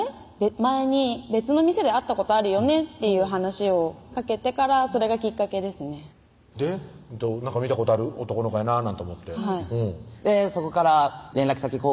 前に別の店で会ったことあるよね」っていう話をかけてからそれがきっかけですねなんか見たことある男の子やななんて思ってそこから連絡先交換するようになって